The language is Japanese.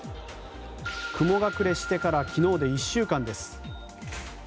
雲隠れしてから昨日で１週間です。